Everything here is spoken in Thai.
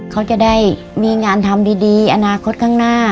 เขาจะได้มีงานทำดีอนาคตข้างหน้า